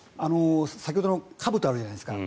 先ほどのかぶとあるじゃないですか。